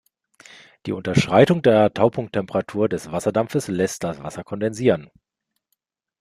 Die Unterschreitung der Taupunkttemperatur des Wasserdampfes lässt das Wasser kondensieren.